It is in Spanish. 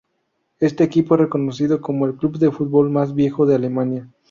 Este equipo es reconocido como el club de fútbol más viejo de Alemania.